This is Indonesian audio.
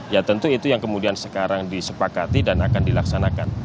ya tentu itu yang kemudian sekarang disepakati dan akan dilaksanakan